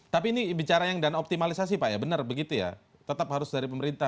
tapi ini bicara yang dan optimalisasi pak ya benar begitu ya tetap harus dari pemerintah